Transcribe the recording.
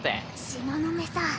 東雲さん。